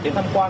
đến thăm quan